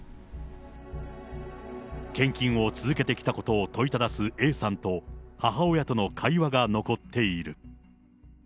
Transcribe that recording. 献金を続けてきたことを問いただすＡさんと、母親との会話が残っている。